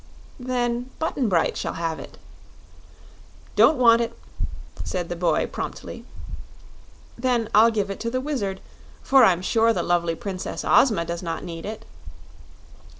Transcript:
"Then Button Bright shall have it." "Don't want it," said the boy, promptly. "Then I'll give it to the Wizard, for I'm sure the lovely Princess Ozma does not need it."